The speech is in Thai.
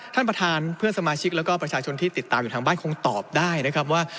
ท่านประธานเพื่อนสมาชิกแล้วก็ประชาชนที่ติดตามอยู่ทางบ้านคงตอบได้นะครับว่า